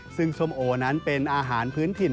ซึ่งส้มโอนั้นเป็นอาหารพื้นถิ่น